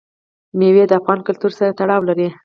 مېوې د افغان کلتور سره تړاو لري.